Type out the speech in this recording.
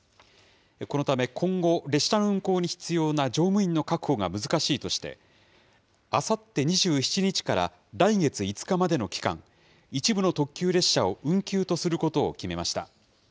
このため、今後、列車の運行に必要な乗務員の確保が難しいとして、あさって２７日から来月５日までの期間、一部の特急列車を運休とすることを決めました。